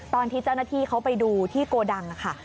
ตอนที่เจ้าหน้าที่เขาไปดูที่โกดังค่ะ